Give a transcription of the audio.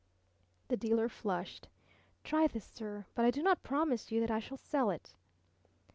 The dealer flushed. "Try this, sir. But I do not promise you that I shall sell it."